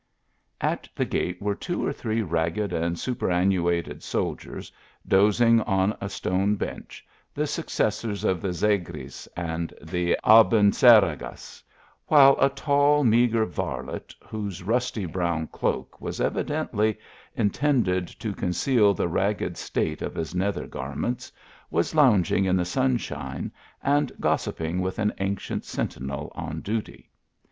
At the gate were two or three ragged arid super annuated soldiers dozing on a stone bench, the suc cessors of the Zegris and the Abencejjages ; while a tall, meagre "^ppftt, whose rusty brown cloak was, evidently, intended to conceal the ragged state of his nether garments, was lounging in the sunshine, 32 THE ALHAMBRA. and gossipping with an ancient sentinel, on duty.